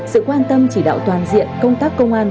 sự quan tâm chỉ đạo toàn diện công tác công an